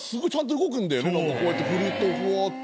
こうやって振るとフワって。